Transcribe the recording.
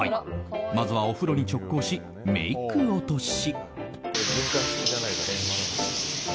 まずはお風呂に直行しメイク落とし。